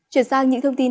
chuyển sang những thông tin